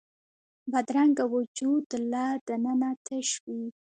بدرنګه وجود له دننه تش وي